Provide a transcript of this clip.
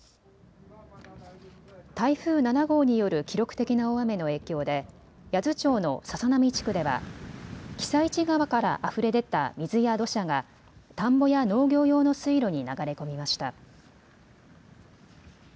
台風７号による記録的な大雨の影響で八頭町の篠波地区では私都川からあふれ出た水や土砂が田んぼや農業用の水路に流れ込みました。